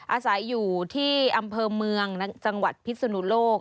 อาศัยอยู่ที่อำเภอเมืองจังหวัดพิศนุโลก